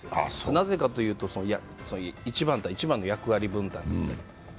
なぜかというと１番の役割分担だったり。